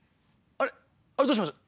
あれどうしました？